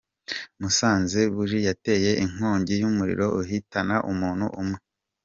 Musanze Buji yateye inkongi y’umuriro uhitana umuntu umwe